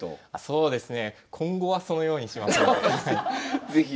そうですね。